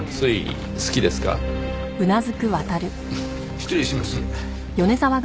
失礼します。